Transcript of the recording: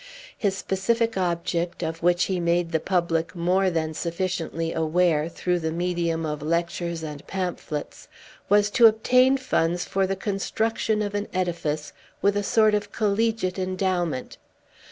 His specific object (of which he made the public more than sufficiently aware, through the medium of lectures and pamphlets) was to obtain funds for the construction of an edifice, with a sort of collegiate endowment.